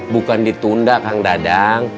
bukan ditunda kang dadang